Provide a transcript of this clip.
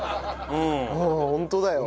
うんホントだよ。